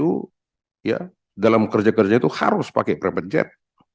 kpu ya dalam kerja kerja itu harus pakai private jet